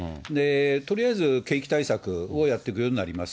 とりあえず景気対策をやっていくようになります。